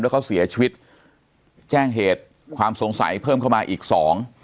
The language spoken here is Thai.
แล้วเขาเสียชีวิตแจ้งเหตุความสงสัยเพิ่มเข้ามาอีกสอง